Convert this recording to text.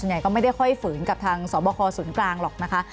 ใหญ่ก็ไม่ได้ค่อยฝืนกับทางสอบคอศูนย์กลางหรอกนะคะ